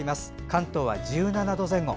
関東は１７度前後。